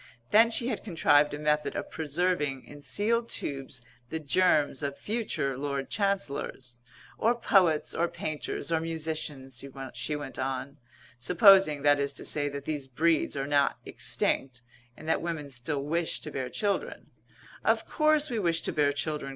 Then she had contrived a method of preserving in sealed tubes the germs of future Lord Chancellors "or poets or painters or musicians," she went on, "supposing, that is to say, that these breeds are not extinct, and that women still wish to bear children " "Of course we wish to bear children!"